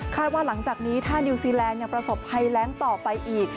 ว่าหลังจากนี้ถ้านิวซีแลนด์ยังประสบภัยแรงต่อไปอีก